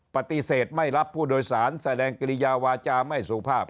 ปฏิเสธไม่รับผู้โดยสารแสดงกิริยาวาจาไม่สุภาพ